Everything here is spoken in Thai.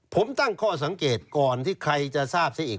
ผมตั้งข้อสังเกตก่อนที่ใครจะทราบซะอีก